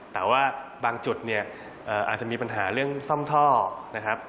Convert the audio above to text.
แต่ว่าบางจุดเนี่ยอาจจะมีปัญหาเรื่องซ่อมท่อนะครับ